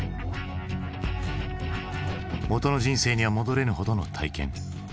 元の人生には戻れぬほどの体験。